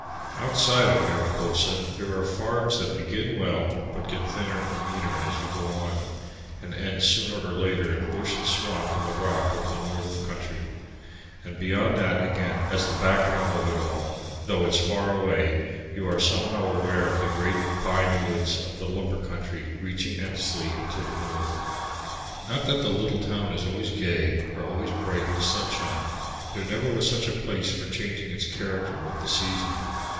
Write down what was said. Outside of Mariposa there are farms that begin well but get thinner and meaner as you go on, and end sooner or later in bush and swamp and the rock of the north country. And beyond that again, as the background of it all, though it's far away, you are somehow aware of the great pine woods of the lumber country reaching endlessly into the north. Not that the little town is always gay or always bright in the sunshine. There never was such a place for changing its character with the season.